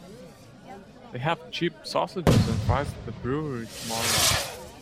They have cheap sausages and fries at the brewery tomorrow.